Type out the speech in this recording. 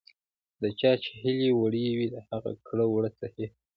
د چا چې هیلې وړې وي، د هغه کړه ـ وړه صحیح وي .